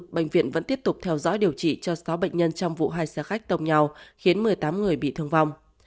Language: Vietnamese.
bệnh viện vẫn tiếp tục theo dõi điều trị cho sáu bệnh nhân trong vụ hai xe khách tông nhau khiến một mươi tám người bị thương vong